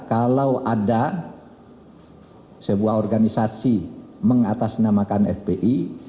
kalau ada sebuah organisasi mengatasnamakan fpi